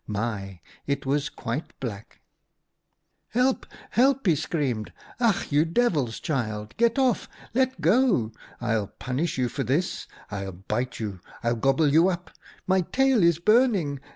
My ! it was quite black !"* Help ! help !' he screamed !' Ach, you devil's child ! Get off! Let go ! I'll punish you for this! I'll bite you! I'll gobble you up! My tail is burning!